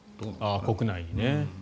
国内にね。